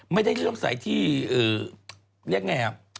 ไม่ได้เริ่มใสที่เอ่อเรียกไงอ่ะ